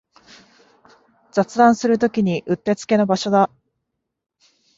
雑談するときにうってつけの場所だ